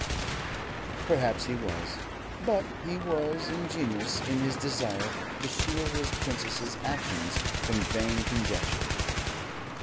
Perhaps he was. But he was ingenuous in his desire to shield his Princess's action from vain conjecture.